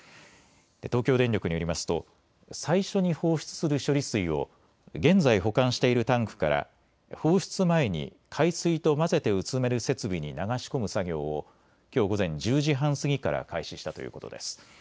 東京電力によりますと最初に放出する処理水を現在保管しているタンクから放出前に海水と混ぜて薄める設備に流し込む作業をきょう午前１０時半過ぎから開始したということです。